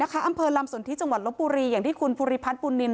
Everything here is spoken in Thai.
อำเภอลำสนทิจังหวัดลบบุรีอย่างที่คุณภูริพัฒนบุญนิน